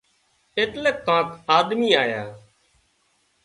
ايٽليڪ ڪانڪ آۮمي آيا